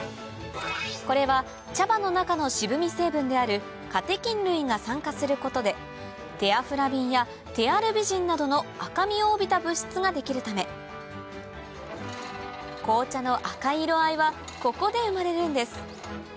これは茶葉の中の渋み成分であるカテキン類が酸化することでテアフラビンやテアルビジンなどの赤みを帯びた物質ができるため紅茶の赤い色合いはここで生まれるんです